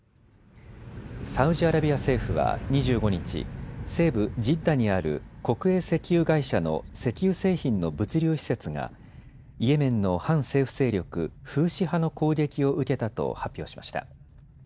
サウジアラビア政府は２５日、西部ジッダにある国営石油会社の石油製品の物流施設がイエメンの反政府勢力フーシ派の攻撃を受けたと発表しました。